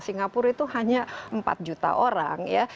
singapura itu hanya empat juta orang ya